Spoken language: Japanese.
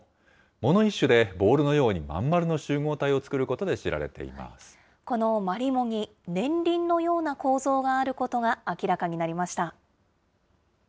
藻の一種で、ボールのように真ん丸の集合体を作ることで知られて湖のマリモに、年輪のような構造があることが明らかになりました。